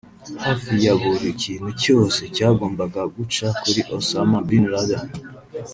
Hafi ya buri kintu cyose cyagombaga guca kuri Osama Bin Laden